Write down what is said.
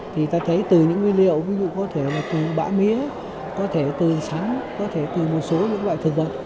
thì ta thấy từ những nguyên liệu ví dụ có thể là từ bã mía có thể từ sắn có thể từ một số những loại thực vật